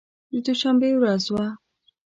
د دوشنبې ورځ وه.